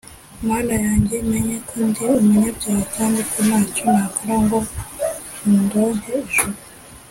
Mana yanjye, menye ko ndi umunyabyaha kandi ko ntacyo nakora ngo ndonke ijuru